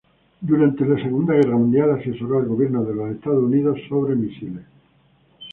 Durante la Segunda Guerra Mundial asesoró al gobierno de Estados Unidos sobre misiles.